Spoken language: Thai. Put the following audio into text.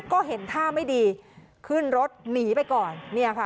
ก็เห็นท่าไม่ดีขึ้นรถหนีไปก่อนเนี่ยค่ะ